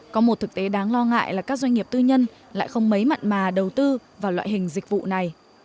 có một thực tế đáng lo ngại là các doanh nghiệp tư nhân lại không mấy mặn mà đầu tư vào loại hiệu quả